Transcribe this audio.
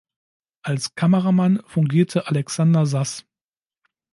Als Kameramann fungierte Alexander Sass.